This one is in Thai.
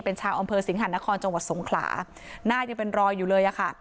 เป็นชาวอำเภอสิงหานครจังหวัดสงขลาหน้ายังเป็นรอยอยู่เลยอะค่ะ